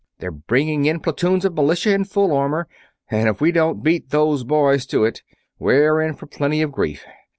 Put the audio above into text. They're bringing in platoons of militia in full armor, and if we don't beat those boys to it we're in for plenty of grief.